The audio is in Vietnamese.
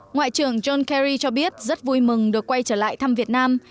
ngoại trưởng john kerry cho biết rất vui mừng được quay trở lại thăm việt nam